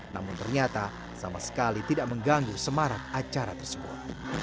namun ternyata sama sekali tidak mengganggu semarak acara tersebut